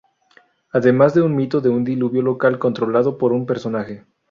Además de un mito de un diluvio local controlado por un personaje.